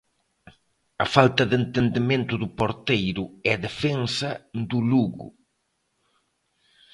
A falta de entendemento do porteiro e defensa do Lugo.